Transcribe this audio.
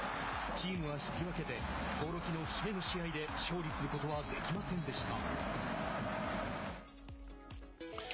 チームは引き分けて興梠の節目の試合で勝利することはできませんでした。